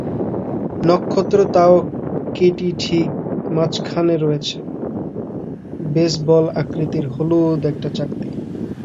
নক্ষত্র তাও কেটি ঠিক মাঝখানে রয়েছে, বেসবল আকৃতির হলুদ একটা চাকতি।